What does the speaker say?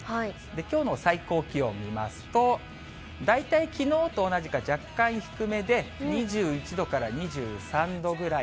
きょうの最高気温見ますと、大体きのうと同じか若干低めで、２１度から２３度ぐらい。